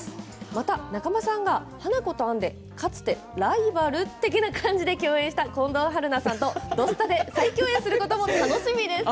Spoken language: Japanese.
また仲間さんが「花子とアン」でかつてライバル的な感じで共演した近藤春菜さんと「土スタ」で再共演することも楽しみです。